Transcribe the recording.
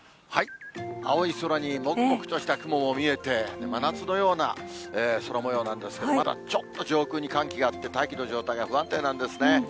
青い空にもくもくとした雲も見えて、真夏のような空もようなんですけれども、まだちょっと上空に寒気があって、大気の状態が不安定なんですね。